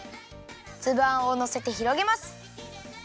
つぶあんをのせてひろげます。